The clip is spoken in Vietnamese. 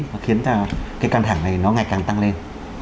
và khiến cái căng thẳng này nó ngày càng tăng lên